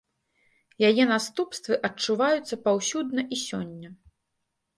Яе наступствы адчуваюцца паўсюдна і сёння.